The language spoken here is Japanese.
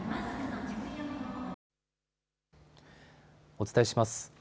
お伝えします。